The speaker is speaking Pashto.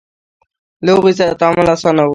له هغوی سره تعامل اسانه و.